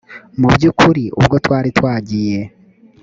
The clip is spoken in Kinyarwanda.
mu by ukuri ubwo twari twagiye